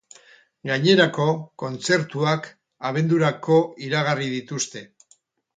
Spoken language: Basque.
Gainerako, kontzertuak abendurako iragarri dituzte.